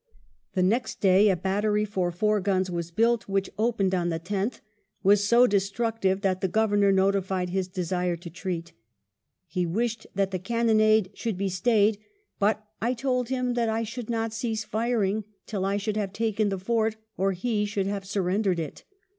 The next day a battery for four guns was builty which, opening on the 10th, was so destructive that the governor notified his desire to treat He wished that the cannonade should be stayed, but " I told him that I should not cease firing till I should have taken the fort or he should have surrendered it."